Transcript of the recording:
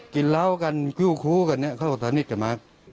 กินเหล้ากันคลิ้วคลุกันเนี่ยเขาสนิทกันมาก